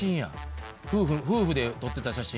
夫婦で撮ってた写真。